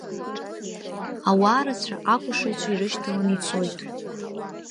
Ауаарацәа акәашаҩцәа ирышьҭаланы ицоит.